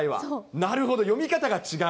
なるほど、読み方が違う。